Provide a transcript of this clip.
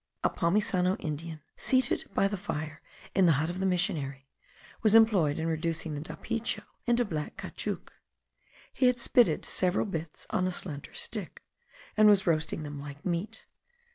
A Pomisano Indian, seated by the fire in the hut of the missionary, was employed in reducing the dapicho into black caoutchouc. He had spitted several bits on a slender stick, and was roasting them like meat.